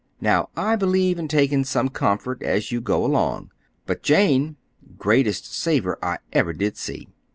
Now, I believe in taking some comfort as you go along. But Jane—greatest saver I ever did see.